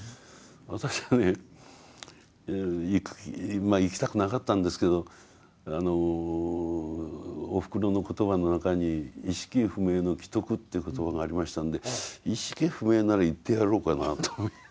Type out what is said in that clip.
私はねまあ行きたくなかったんですけどおふくろの言葉の中に意識不明の危篤という言葉がありましたんで意識不明なら行ってやろうかなと。